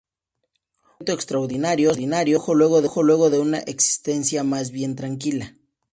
Un evento extraordinario se produjo luego de una existencia más bien tranquila.